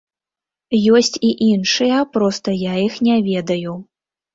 Ёсць і іншыя, проста я іх не ведаю.